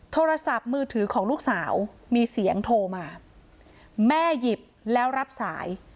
โทรศัพท์มือถือของลูกสาวมีเสียงโทรมาแม่หยิบแล้วรับสาย